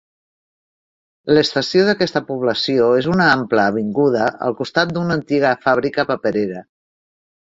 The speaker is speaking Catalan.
L'estació d'aquesta població és en una ampla avinguda, al costat d'una antiga fàbrica paperera.